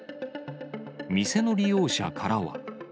店の利用者からは。